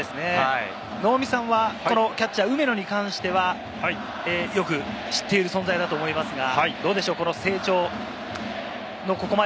能見さんはキャッチャー・梅野に関してはよく知っている存在だと思いますがどうでしょう？